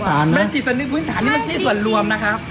ที่สวนรวม